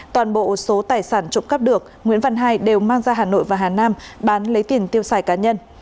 toàn bộ số tài sản trộm cắp được nguyễn văn hai đều mang ra hà nội và hà nam bán lấy tiền tiêu xài cá nhân